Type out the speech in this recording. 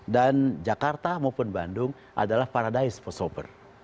dan jakarta maupun bandung adalah paradise for shopper